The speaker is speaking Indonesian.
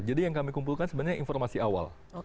jadi yang kami kumpulkan sebenarnya informasi awal